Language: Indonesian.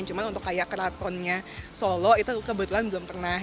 cuma untuk kayak keratonnya solo itu kebetulan belum pernah